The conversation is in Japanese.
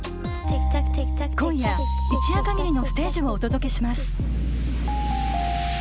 今夜一夜限りのステージをお届けします！